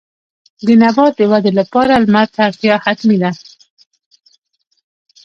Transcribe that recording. د نبات د ودې لپاره لمر ته اړتیا حتمي ده.